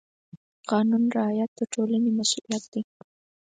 د قانون رعایت د ټولنې مسؤلیت دی.